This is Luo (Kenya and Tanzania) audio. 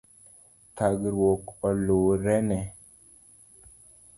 Thagruok oluro ne